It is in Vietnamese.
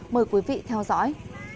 mời quý vị theo dõi